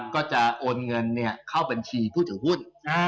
ก็จะโอนเงินเข้าบัญชีผู้ถือหุ้น